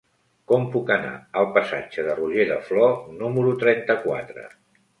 Com puc anar al passatge de Roger de Flor número trenta-quatre?